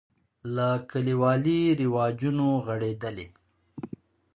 له کلیوالي رواجونو غړېدلی.